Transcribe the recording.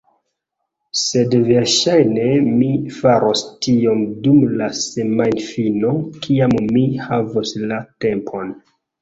Sed verŝajne mi faros tion dum la semajnfino kiam mi havos la tempon.